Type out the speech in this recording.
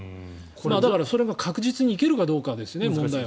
だから、それが確実にいけるかどうかですね。